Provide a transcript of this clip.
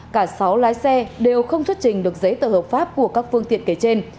cả sáu lái xe đều không xuất trình được giấy tờ hợp pháp của các phương tiện kể trên